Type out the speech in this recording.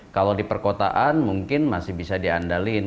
kalau di perkotaan mungkin masih bisa diandalin